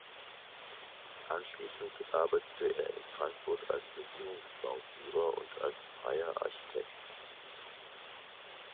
Anschließend arbeitete er in Frankfurt als Regierungsbauführer und als freier Architekt.